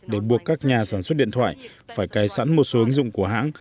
để buộc các nhà sản xuất điện thoại phải cài sẵn một số ứng dụng của hãng